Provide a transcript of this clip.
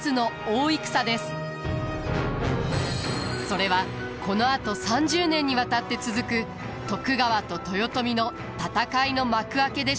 それはこのあと３０年にわたって続く徳川と豊臣の戦いの幕開けでした。